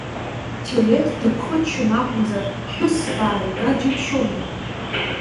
Ҭелеҭ дыбхыччон акәымзар, ԥҳәысс бааига џьыбшьома?